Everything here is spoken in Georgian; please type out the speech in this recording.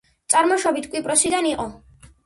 წარმოშობით კვიპროსიდან იყო.